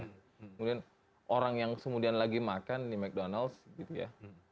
kemudian orang yang kemudian lagi makan di mcdonald's gitu ya